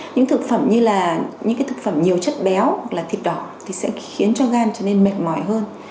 những thực phẩm như là những cái thực phẩm nhiều chất béo hoặc là thịt đỏ thì sẽ khiến cho gan trở nên mệt mỏi hơn